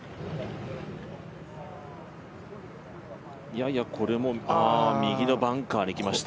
ややこれも右のバンカーにきました。